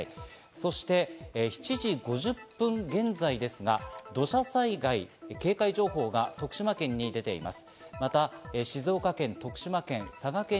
そして７時５０分現在ですが、土砂災害警戒情報が徳島県に出ています。